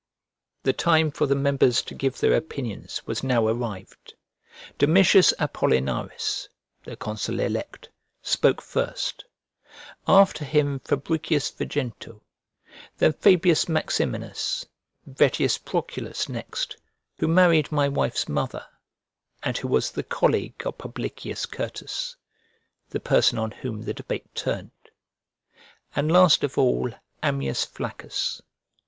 The time for the members to give their opinions was now arrived. Domitius Apollinaris, the consul elect, spoke first; after him Fabricius Vejento, then Fabius Maximinus, Vettius Proculus next (who married my wife's mother, and who was the colleague of Publicius Certus, the person on whom the debate turned), and last of all Ammius Flaccus.